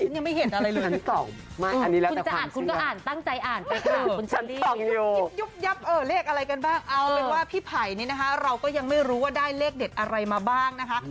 เลขอะไรกันบ้างเอาเป็นว่าพี่ไผ่นี่นะคะเราก็ยังไม่รู้ว่าได้เลขเด็ดอะไรมาบ้างนะคะ